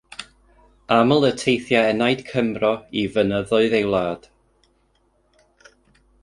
Aml y teithia enaid Cymro i fynyddoedd ei wlad.